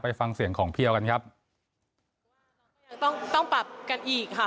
ฟังเสียงของเพียวกันครับยังต้องต้องปรับกันอีกค่ะ